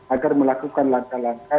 agar melakukan langkah langkah